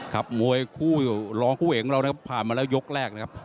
ครับมวยคู่รองคู่เอกของเรานะครับผ่านมาแล้วยกแรกนะครับ